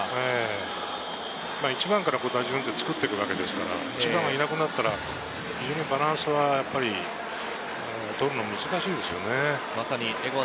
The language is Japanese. １番から打順を作っていくわけですから、１番がいなくなったらバランスを取るのが難しいですよね。